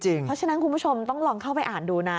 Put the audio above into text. เพราะฉะนั้นคุณผู้ชมต้องลองเข้าไปอ่านดูนะ